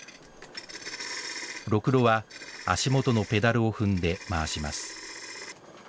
ろくろは足元のペダルを踏んで回します